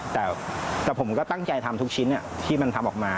แต่ผมก็ตั้งใจทำทุกชิ้นที่มันทำออกมา